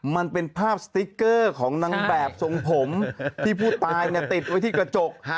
มันเป็นภาพสติ๊กเกอร์ของนางแบบทรงผมที่ผู้ตายติดไว้ที่กระจก